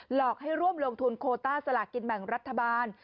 หลอกให้ร่วมลงทุนโคต้าสลากกินแบ่งรัฐบาล